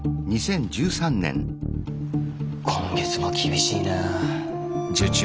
今月も厳しいな。